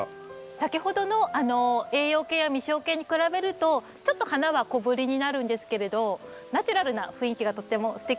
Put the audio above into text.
先ほどの栄養系や実生系に比べるとちょっと花は小ぶりになるんですけれどナチュラルな雰囲気がとってもすてきですよね。